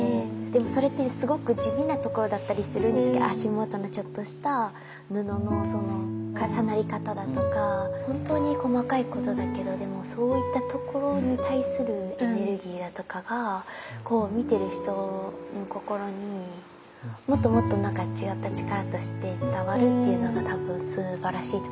でもそれってすごく地味なところだったりするんですけど足元のちょっとした布の重なり方だとか本当に細かいことだけどでもそういったところに対するエネルギーだとかが見てる人の心にもっともっと何か違った力として伝わるっていうのが多分すばらしいところかなって思います。